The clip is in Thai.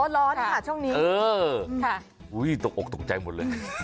ร้อนค่ะช่วงนี้ตกอกตกใจหมดเลย